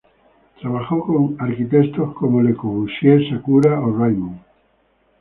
Trabajó con arquitectos como Le Corbusier, Sakura o Raymond.